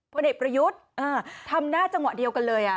ผลเอกประยุทธ์ทำหน้าจังหวะเดียวกันเลย